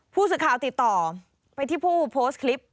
ผู้สื่อข่าวติดต่อไปที่ผู้โพสต์คลิป